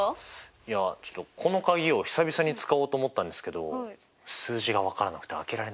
いやちょっとこの鍵を久々に使おうと思ったんですけど数字が分からなくて開けられないんですよ。